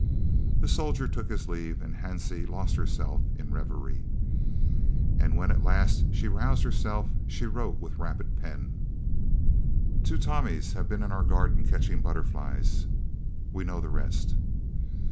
The soldier took his leave and Hansie lost herself in reverie. And when at last she roused herself, she wrote with rapid pen: "Two Tommies have been in our garden, catching butterflies " We know the rest.